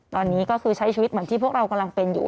ตอนนี้ก็คือใช้ชีวิตเหมือนที่พวกเรากำลังเป็นอยู่